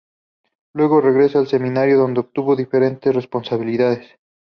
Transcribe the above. Luego regresa al Seminario donde obtuvo diferentes responsabilidades.